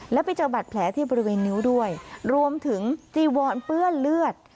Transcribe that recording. แล้วไปเจอบัตรแผลที่บริเวณนิ้วด้วยรวมถึงจีวอนเปื้อนเลือด